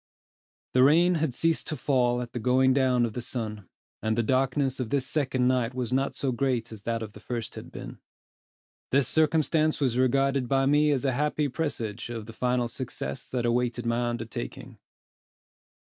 The rain had ceased to fall at the going down of the sun; and the darkness of this second night was not so great as that of the first had been. This circumstance was regarded by me as a happy presage of the final success that awaited my undertaking.